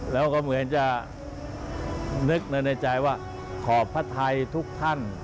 แล้วก็เหมือนจะนึกในใจว่าขอบพระไทยทุกท่าน